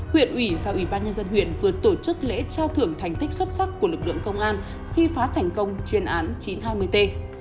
huyện ủy và ủy ban nhân dân huyện vừa tổ chức lễ trao thưởng thành tích xuất sắc của lực lượng công an khi phá thành công chuyên án chín trăm hai mươi t